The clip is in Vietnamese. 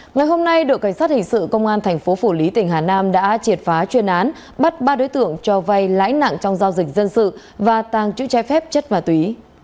ngày hôm nay đội cảnh sát hình sự công an thành phố phủ lý tỉnh hà nam đã triệt phá chuyên án bắt ba đối tượng cho vay lãi nặng trong giao dịch dân sự và tàng chữ trái phép chất ma túy